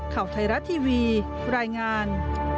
ข่าวไทยรัฐทีวีรายงาน